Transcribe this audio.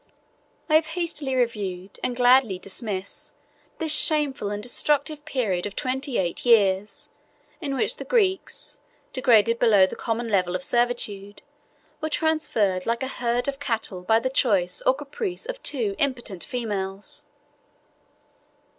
I have hastily reviewed, and gladly dismiss, this shameful and destructive period of twenty eight years, in which the Greeks, degraded below the common level of servitude, were transferred like a herd of cattle by the choice or caprice of two impotent females.